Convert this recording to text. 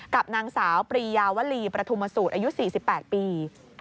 กับนางสาวปรียาวลีประธุมสูตรอายุ๔๘ปี